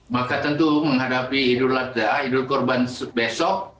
maka tentu menghadapi hidup korban besok